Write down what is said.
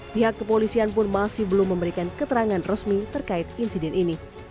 pihak kepolisian pun masih belum memberikan keterangan resmi terkait insiden ini